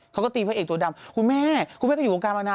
เขาก็ตีพระเอกตัวดำคุณแม่คุณแม่ก็อยู่วงการมานาน